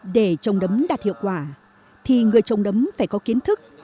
để trồng nấm đạt hiệu quả thì người trồng nấm phải có kiến thức